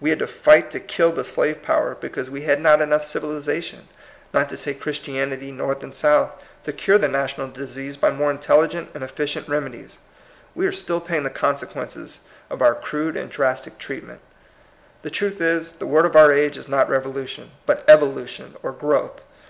We had to fight to kill the slave power, because we POSSIBLE REVOLUTION. 161 had not enough civilization, not to say Christianity, North and South, to cure the national disease by more intelligent and ei&cient remedies. We are still paying the consequences of our crude and drastic treatment. The truth is, the word of our age is not revolution, but evolution or growth.